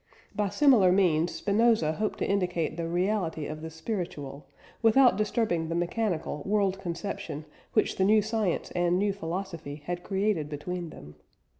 By similar means, Spinoza hoped to indicate the reality of the spiritual, without disturbing the mechanical world conception which the new science and new philosophy had created between them.